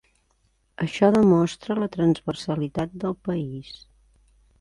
Això demostra la transversalitat del país.